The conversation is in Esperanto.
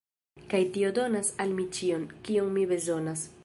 kaj tio donas al mi ĉion, kion mi bezonas